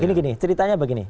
gini gini ceritanya begini